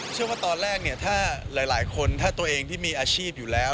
เชื่อว่าตอนแรกเนี่ยถ้าหลายคนถ้าตัวเองที่มีอาชีพอยู่แล้ว